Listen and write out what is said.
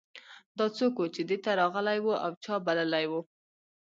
دا څوک و چې دې ته راغلی و او چا بللی و